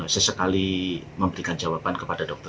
saya sekali memberikan jawaban kepada dokter